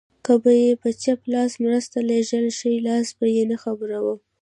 که به يې په چپ لاس مرسته لېږله ښی لاس به يې ناخبره و.